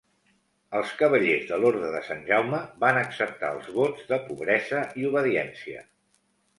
Els cavallers de l'orde de Sant Jaume van acceptar els vots de pobresa i obediència.